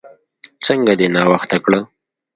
څنګه دې ناوخته کړه؟